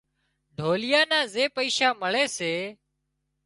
ڍوليئا نا زي پئيشا مۯي سي